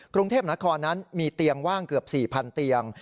กรุงเทพนครนั้นมีเตียงว่างเกือบ๔๐๐เตียง